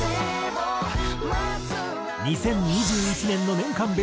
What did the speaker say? ２０２１年の年間